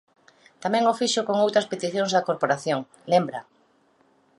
"Tamén o fixo con outras peticións da Corporación", lembra.